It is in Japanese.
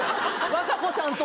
和歌子さんと。